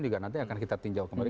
juga nanti akan kita tinjau kembali